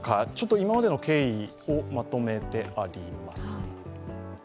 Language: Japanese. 今までの経緯をまとめてあります。